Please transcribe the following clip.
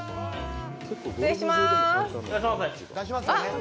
失礼しまーす。